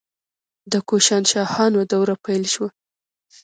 د کوشانشاهانو دوره پیل شوه